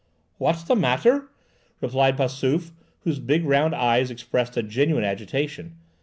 "What's the matter!" replied Passauf, whose big round eyes expressed a genuine agitation.